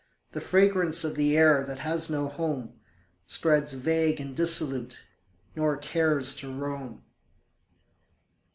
The fragrance of the air that has no home Spreads vague and dissolute, nor cares to roam.